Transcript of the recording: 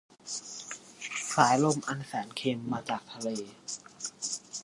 สายลมอันแสนเค็มมาจากทะเล